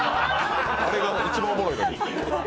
あれが一番おもろいのに。